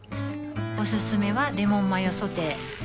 おすすめはレモンマヨソテー